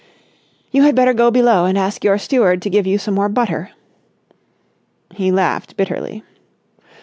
"You had better go below and ask your steward to give you some more butter." He laughed bitterly.